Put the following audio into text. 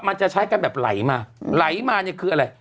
มันจะใช้กันแบบไหลมาไหลมาเนี่ยคืออะไร